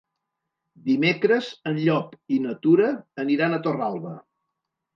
Dimecres en Llop i na Tura aniran a Torralba.